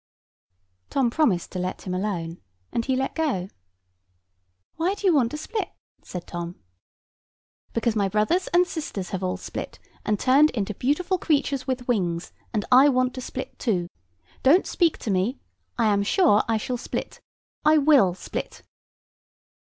Tom promised to let him alone, and he let go. "Why do you want to split?" said Tom. "Because my brothers and sisters have all split, and turned into beautiful creatures with wings; and I want to split too. Don't speak to me. I am sure I shall split. I will split!"